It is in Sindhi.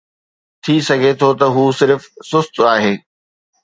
ٿي سگهي ٿو ته هو صرف سست آهي.